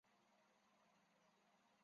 院长是于博泽。